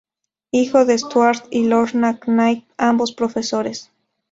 Hijo de Stuart y Lorna Knight, ambos profesores.